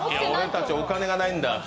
俺たちお金がないんだ。